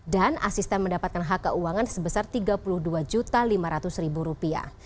dan asisten mendapatkan hak keuangan sebesar tiga puluh dua lima ratus rupiah